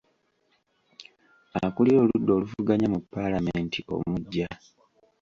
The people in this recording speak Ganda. Akulira oludda oluvuganya mu Paalamenti omuggya.